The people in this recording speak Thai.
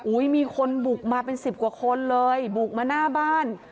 มีคนบุกมาเป็นสิบกว่าคนเลยบุกมาหน้าบ้าน